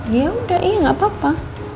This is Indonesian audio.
ya udah iya nggak apa apa